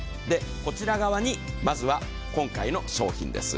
こちら側にまずは今回の商品です。